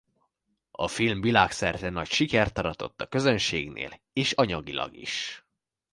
A film világszerte nagy sikert aratott a közönségnél és anyagilag is.